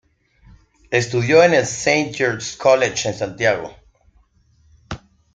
Estudió en el Saint George's College en Santiago.